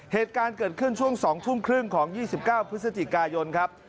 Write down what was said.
เหตุการณ์เกิดขึ้นช่วง๒ทุ่มครึ่งของ๒๙พฤศจิกายนครับ